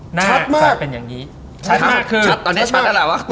ชัดมากเป็นอย่างงี้ชัดมากคือตอนเนี้ยชัดแล้วหรอวะ